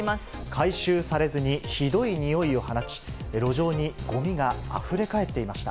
回収されずにひどい臭いを放ち、路上にごみがあふれ返っていました。